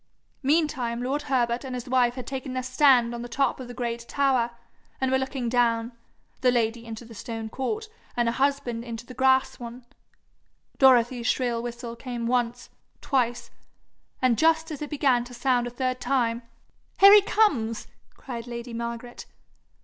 Meantime lord Herbert and his wife had taken their stand on the top of the great tower, and were looking down the lady into the stone court, and her husband into the grass one. Dorothy's shrill whistle came once, twice and just as it began to sound a third time, 'Here he comes!' cried lady Margaret.